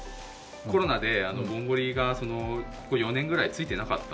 コロナでぼんぼりがここ４年ぐらいついてなかった。